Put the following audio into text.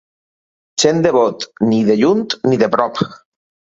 Gent de Bot, ni de lluny ni de prop.